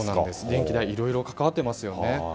電気代いろいろ関わっていますよね。